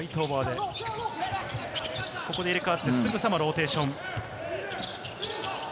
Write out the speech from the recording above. ここで入れ替わって、すぐさまローテーション。